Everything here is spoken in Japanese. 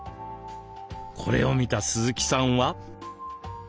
これを見た鈴木さんは？